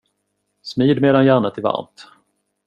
Smid medan järnet är varmt.